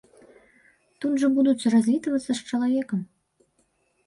Тут жа будуць развітвацца з чалавекам.